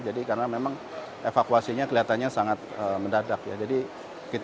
jadi karena memang evakuasinya kelihatannya sangat mendadak